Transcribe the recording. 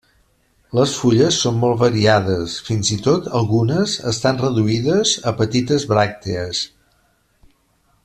Les fulles són molt variades, fins i tot algunes estan reduïdes a petites bràctees.